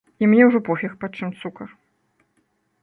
І мне ўжо пофіг, па чым цукар.